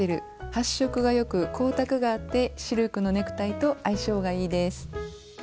発色がよく光沢があってシルクのネクタイと相性がいいです。